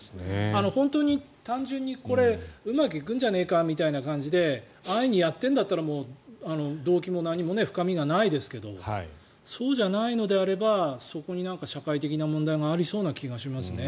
本当に単純にうまくいくんじゃねえかみたいな感じで安易にやってるんだったら動機も何も深みがないですけどそうじゃないのであればそこに社会的な問題がありそうな気がしますね。